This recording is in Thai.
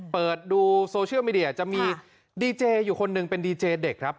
เปิดดูโซเชียลมีเดียจะมีดีเจอยู่คนหนึ่งเป็นดีเจเด็กครับ